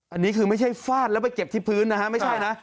อันนี้คือไม่ใช่ฟาดแล้วไปเก็บที่พื้นนะฮะไม่ใช่นะ